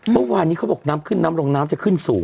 เมื่อวานนี้เขาบอกน้ำขึ้นน้ำลงน้ำจะขึ้นสูง